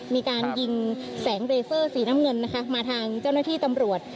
มีการยิงแสงเลเซอร์สีน้ำเงินนะคะมาทางเจ้าหน้าที่ตำรวจ